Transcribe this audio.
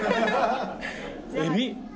エビ？